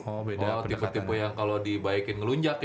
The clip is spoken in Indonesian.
oh tipe tipe yang kalau dibaikin ngelunjak ya